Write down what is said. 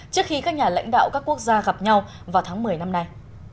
trước khi các nhà lãnh đạo các quốc gia gặp nhau vào tháng một mươi năm nay